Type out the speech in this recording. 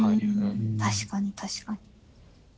確かに確かに。